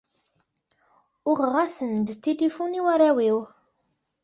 Uɣeɣ-asen-d tilifun i warraw-iw.